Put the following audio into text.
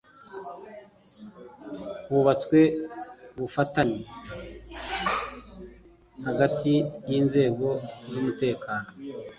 hubatswe ubufatanye hagati y'inzego z'umutekano